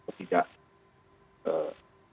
saya rasa ini adalah hal yang sangat penting